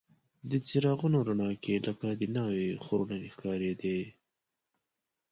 د څراغونو رڼا کې لکه د ناوې خورلڼې ښکارېدې.